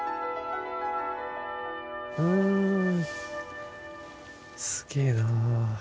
うんすげえな。